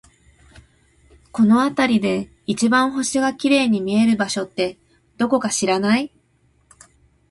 この辺りで一番星が綺麗に見える場所って、どこか知らない？